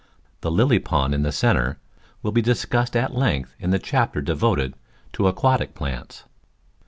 The lily pond in the centre will be discussed at length in the chapter devoted to aquatic plants.